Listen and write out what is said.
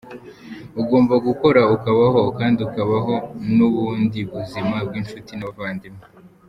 Ugomba gukora ukabaho kandi ukabaho n’ubuni buzima bw’inshuti n’abavandimwe.